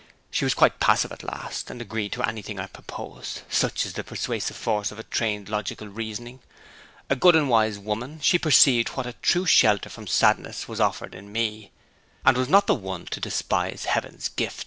She was quite passive at last, and agreed to anything I proposed such is the persuasive force of trained logical reasoning! A good and wise woman, she perceived what a true shelter from sadness was offered in me, and was not the one to despise Heaven's gift.'